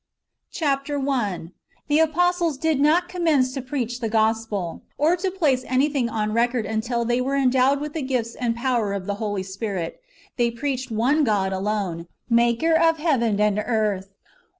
^ Chap. i. — The apostles did not commence to preach the gospel, or to place anything on record, until they ivere endowed with the gifts and piower of the Holy Spirit. They preached one God alone, Maker of heaven and earth.